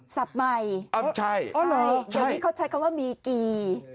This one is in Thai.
สับใหม่ใช่ใช่เดี๋ยวนี้เขาใช้คำว่ามีกี